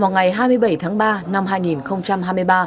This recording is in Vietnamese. ngày hai mươi bảy tháng ba năm hai nghìn hai mươi ba